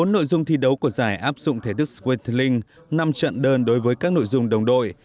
một mươi bốn nội dung thi đấu của giải áp dụng thể thức squatling năm trận đơn đối với các nội dung đồng đội